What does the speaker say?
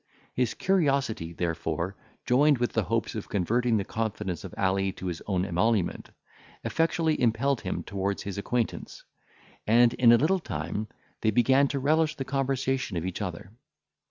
His curiosity, therefore, joined with the hopes of converting the confidence of Ali to his own emolument, effectually impelled him towards his acquaintance; and, in a little time, they began to relish the conversation of each other.